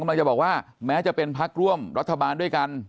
คุณฑิสวรรค์กำลังจะบอกว่า